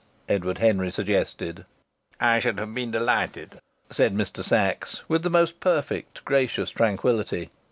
Edward Henry suggested. "I should have been delighted," said Mr. Sachs, with the most perfect gracious tranquillity.